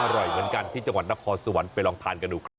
อร่อยเหมือนกันที่จังหวัดนครสวรรค์ไปลองทานกันดูครับ